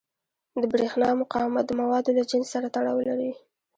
د برېښنا مقاومت د موادو له جنس سره تړاو لري.